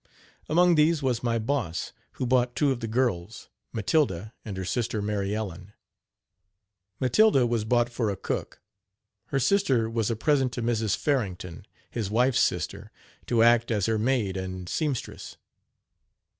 Among these was my Boss, who bought two of the girls, Matilda and her sister Mary Ellen. Matilda was bought for a cook; her sister was a present to Mrs. Farrington, his wife's sister, to act as her maid and seamstress.